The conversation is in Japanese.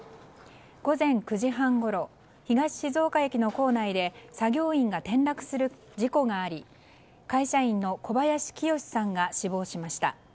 午前９時半ごろ東静岡駅の構内で作業員が転落する事故があり会社員の小林清さんが死亡しました。